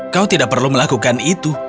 kau tidak perlu melakukan itu